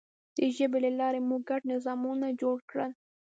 د ژبې له لارې موږ ګډ نظامونه جوړ کړل.